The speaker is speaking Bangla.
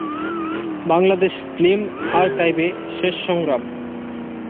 বাংলাদেশ ফিল্ম আর্কাইভে শেষ সংগ্রাম